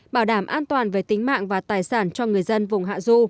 bảo đảm an toàn về tính mạng và tài sản cho người dân